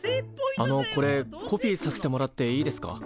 あのこれコピーさせてもらっていいですか？